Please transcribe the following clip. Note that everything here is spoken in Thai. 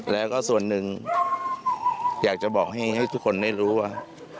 แล้วก็ส่วนหนึ่งอยากจะบอกให้ทุกคนได้รู้ว่า